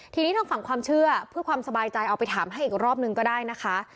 ทีนี้ทางฝั่งความเชื่อเพื่อความสบายใจเอาไปถามให้อีกรอบนึงก็ได้นะคะ